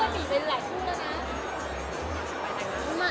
ผู้คนหนีไปหลายคู่แล้วนะ